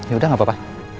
ya udah gapapa